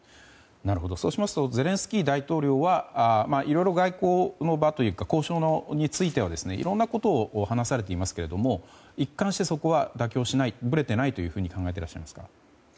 そうしますとゼレンスキー大統領はいろいろ、外交の場というか交渉についてはいろんなことを話されていますけれども一貫してそこは妥協しないぶれていないと考えていらっしゃいますか。